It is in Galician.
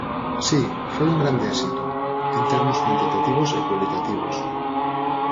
Si, foi un grande éxito, en termos cuantitativos e cualitativos.